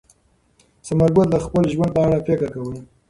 ثمر ګل د خپل ژوند په اړه فکر کاوه.